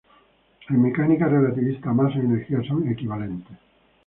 En mecánica relativista masa y energía son "equivalentes".